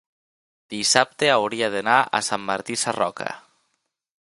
dissabte hauria d'anar a Sant Martí Sarroca.